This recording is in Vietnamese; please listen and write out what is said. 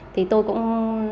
thì tôi cũng